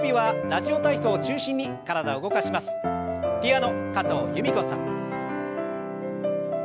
ピアノ加藤由美子さん。